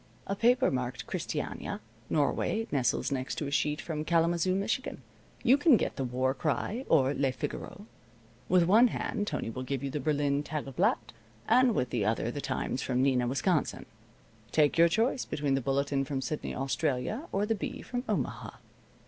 A paper marked Christiania, Norway, nestles next to a sheet from Kalamazoo, Michigan. You can get the War Cry, or Le Figaro. With one hand, Tony will give you the Berlin Tageblatt, and with the other the Times from Neenah, Wisconsin. Take your choice between the Bulletin from Sydney, Australia, or the Bee from Omaha.